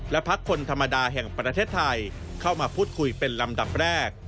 และพักคนธรรมดาแห่งประเทศไทยเข้ามาพูดคุยเป็นลำดับแรก